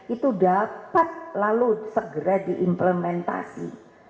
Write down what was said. itu dapat lalu segera diimplementasi